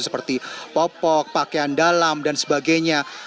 seperti popok pakaian dalam dan sebagainya